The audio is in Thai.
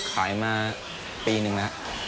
ขายมาปีนึงแล้ว